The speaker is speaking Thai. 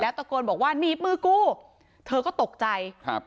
ตะโกนบอกว่าหนีบมือกูเธอก็ตกใจครับ